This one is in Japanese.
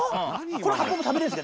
この葉っぱも食べれるんですか？